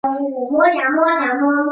曾经担任驻莫斯科挪威大使。